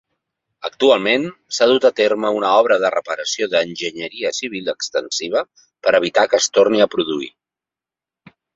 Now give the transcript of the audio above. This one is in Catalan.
Actualment s'ha dut a terme una obra de reparació d'enginyeria civil extensiva per evitar que es torni a produir.